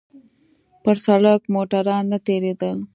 پر سړک موټران نه تېرېدل.